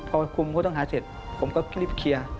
พอคุมผู้ต้องหาเสร็จผมก็รีบเคลียร์